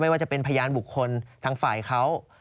ว่าจะเป็นพยานบุคคลทางฝ่ายเขา